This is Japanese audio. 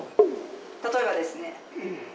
例えばですねこれ。